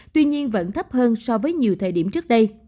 tuy nhiên vẫn thấp hơn so với nhiều thời điểm trước đây